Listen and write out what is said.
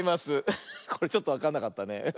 これちょっとわかんなかったね。